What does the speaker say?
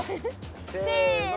せの。